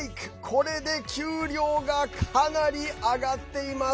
これで給料がかなり上がってます。